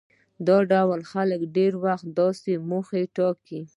دا ډول خلک ډېری وخت داسې موخې ټاکي.